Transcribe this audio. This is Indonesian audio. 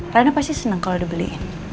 rina pasti seneng kalau dibeliin